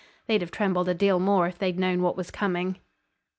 They'd have trembled a deal more if they'd known what was coming.